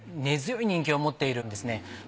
根強い人気を持っているんですね。